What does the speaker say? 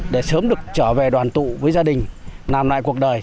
để sớm được trở về đoàn tụ với gia đình làm lại cuộc đời